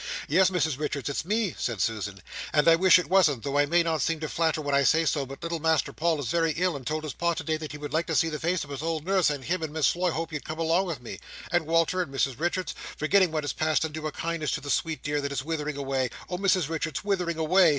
"Yes, Mrs Richards, it's me," said Susan, "and I wish it wasn't, though I may not seem to flatter when I say so, but little Master Paul is very ill, and told his Pa today that he would like to see the face of his old nurse, and him and Miss Floy hope you'll come along with me—and Mr Walter, Mrs Richards—forgetting what is past, and do a kindness to the sweet dear that is withering away. Oh, Mrs Richards, withering away!"